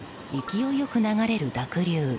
勢いよく流れる濁流。